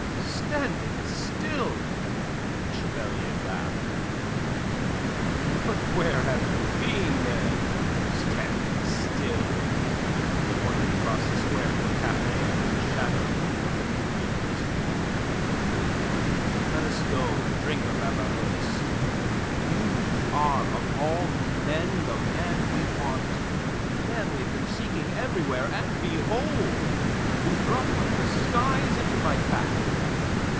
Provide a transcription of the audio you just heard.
"Standing still!" Le Chapelier laughed. "But where have you been, then? Standing still!" He pointed across the square to a café under the shadow of the gloomy prison. "Let us go and drink a bavaroise. You are of all men the man we want, the man we have been seeking everywhere, and behold! you drop from the skies into my path."